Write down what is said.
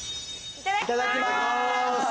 いただきます！